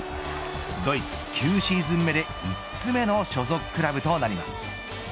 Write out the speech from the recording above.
ドイツ、９シーズン目で５つ目の所属クラブとなります。